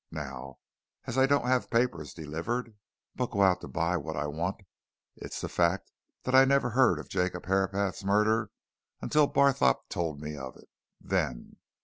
Now, as I don't have papers delivered, but go out to buy what I want, it's the fact that I never heard of Jacob Herapath's murder until Barthorpe told me of it, then!